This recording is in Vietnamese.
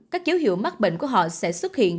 các dấu hiệu mắc bệnh của họ sẽ xuất hiện